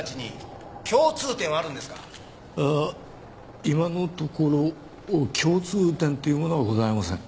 ああ今のところ共通点っていうものはございません。